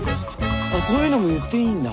そういうのも言っていいんだ？